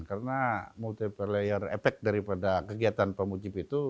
karena multi layer efek dari pada kegiatan pemujib itu